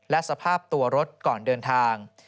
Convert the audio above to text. และสภาพตัวรถก่อนเดินทาง